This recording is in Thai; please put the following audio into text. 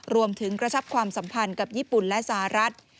รวมถึงกระชับความสัมพันธ์กับญี่ปุ่นและสหรัฐ